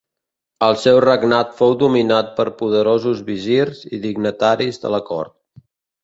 El seu regnat fou dominat per poderosos visirs i dignataris de la cort.